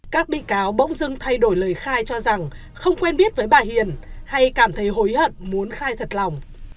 các bị cáo bỗng dưng thay đổi lời khai cho rằng không quen biết với bà hiền hay cảm thấy hối hận muốn khai thật lòng